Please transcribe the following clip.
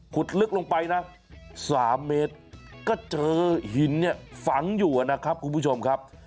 ลึกลงไปนะ๓เมตรก็เจอหินเนี่ยฝังอยู่นะครับคุณผู้ชมครับ